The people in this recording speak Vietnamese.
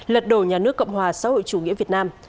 lật đổ nhà nước cộng hòa xã hội chủ nghĩa việt nam